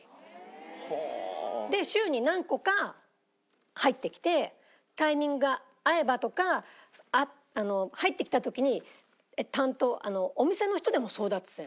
で週に何個か入ってきてタイミングが合えばとか入ってきた時に担当お店の人でも争奪戦。